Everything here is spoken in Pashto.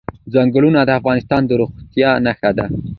ځنګلونه د افغانستان د زرغونتیا نښه ده.